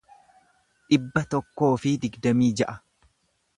dhibba tokkoo fi digdamii ja'a